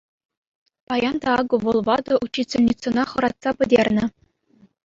Паян та акӑ вӑл ватӑ учительницӑна хӑратса пӗтернӗ.